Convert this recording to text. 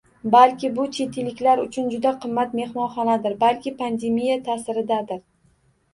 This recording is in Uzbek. Balki bu chet elliklar uchun juda qimmat mehmonxonadir, balki pandemiya taʼsiridadir.